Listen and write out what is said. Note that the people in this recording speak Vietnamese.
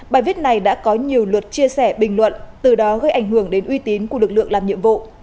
bài viết này đã có nhiều luật chia sẻ bình luận từ đó gây ảnh hưởng đến uy tín của lực lượng làm nhiệm vụ